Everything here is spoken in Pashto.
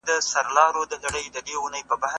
نا پيژاندو کورنيو ته لور مه ورکوئ.